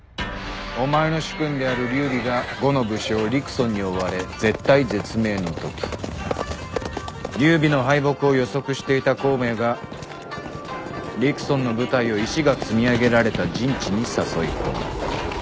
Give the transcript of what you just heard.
お前の主君である劉備が呉の武将陸遜に追われ絶体絶命のとき劉備の敗北を予測していた孔明が陸遜の部隊を石が積み上げられた陣地に誘い込み。